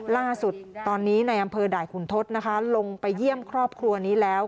ล่าสุดตอนนี้ในอำเภอด่ายขุนทศลงไปเยี่ยมครอบครัวนี้แล้ว